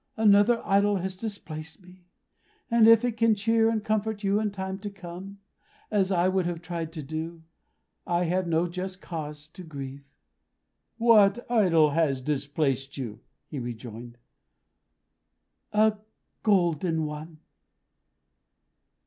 Another idol has displaced me; and if it can cheer and comfort you in time to come, as I would have tried to do, I have no just cause to grieve." "What idol has displaced you?" he rejoined. "A golden one."